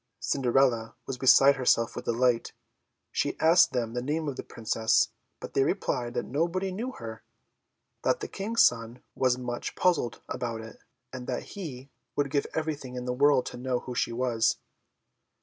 Cinderella was beside herself with delight. She asked them the name of the Princess; but they replied that nobody knew her; that the King's son was much puzzled about it, and that he would give everything in the world to know who she was.